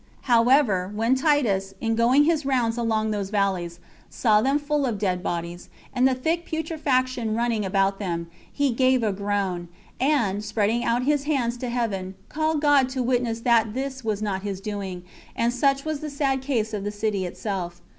However, when Titus, in going his rounds along those valleys, saw them full of dead bodies, and the thick putrefaction running about them, he gave a groan; and, spreading out his hands to heaven, called God to witness that this was not his doing; and such was the sad case of the city itself.